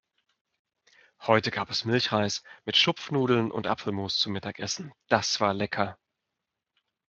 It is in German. Heute gab es Milchreis mit Schupfnudeln und Apfelmus zum Mittagessen. Das war lecker.